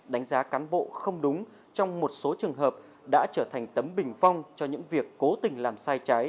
đánh giá cán bộ không đúng trong một số trường hợp đã trở thành tấm bình phong cho những việc cố tình làm sai trái